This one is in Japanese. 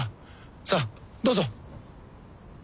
さあどうぞ。